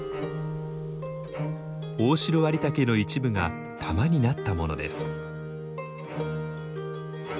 オオシロアリタケの一部が玉になったものです。